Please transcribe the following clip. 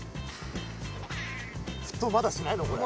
沸騰まだしないのこれ？